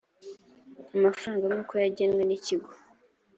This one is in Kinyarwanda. amafaranga nk uko yagenwe n ikigo